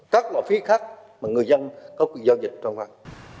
các loại phí khác mà người dân có quyền giao dịch trong hoạt